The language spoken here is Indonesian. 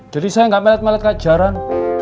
jadi saya nggak melet melet ke ajaran